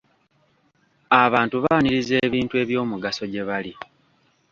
Abantu baaniriza ebintu eby'omugaso gye bali.